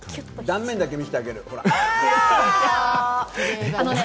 断面だけ見せてあげる。